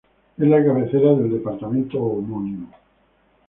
Es la cabecera del departamento homónimo.